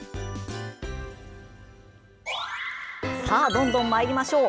どんどんまいりましょう。